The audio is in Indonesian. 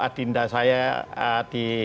adinda saya di